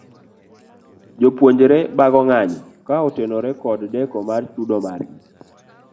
Jopuonjre bago ng'anyo ka otenore kod deko mar chudo mar gi.